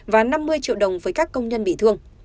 và năm mươi triệu đồng với các công nhân bị thương